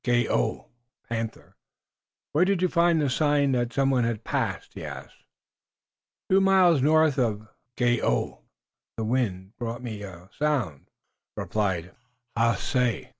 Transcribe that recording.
"Haace (Panther), where did you find the sign that someone had passed?" he asked. "Two miles to the north Gao (the wind) brought me a sound," replied Haace.